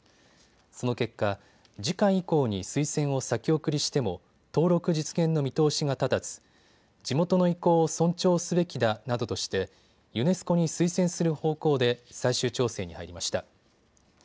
その結果、次回以降に推薦を先送りしても登録実現の見通しが立たず地元の意向を尊重すべきだなどとしてユネスコに推薦する方向で最終調整に入りました。